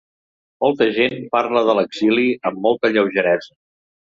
Molta gent parla de l’exili amb molta lleugeresa.